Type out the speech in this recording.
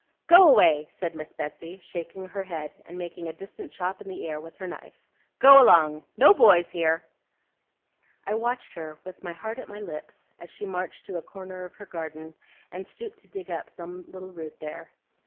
'Go away!' said Miss Betsey, shaking her head, and making a distant chop in the air with her knife. 'Go along! No boys here!' I watched her, with my heart at my lips, as she marched to a corner of her garden, and stooped to dig up some little root there.